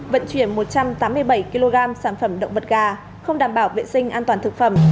vận chuyển một trăm tám mươi bảy kg sản phẩm động vật gà không đảm bảo vệ sinh an toàn thực phẩm